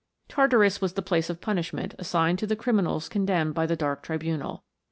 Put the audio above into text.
Tartarus was the place of punishment assigned to the criminals condemned by the dark tribunal.